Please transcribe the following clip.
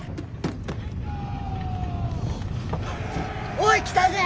おい来たぜ！